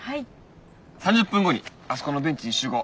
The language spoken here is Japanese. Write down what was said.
３０分後にあそこのベンチに集合。